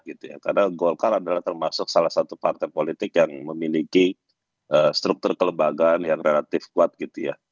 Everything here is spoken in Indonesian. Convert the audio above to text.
karena gokar adalah termasuk salah satu partai politik yang memiliki struktur kelembagaan yang relatif kuat